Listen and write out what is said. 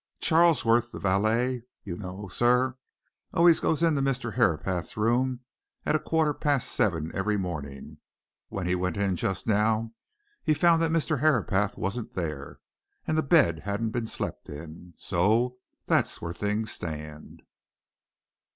Charlesworth the valet, you know, sir always goes into Mr. Herapath's room at a quarter past seven every morning; when he went in just now he found that Mr. Herapath wasn't there, and the bed hadn't been slept in. So that's where things stand."